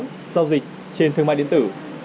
giao dịch trên thương mại điện tử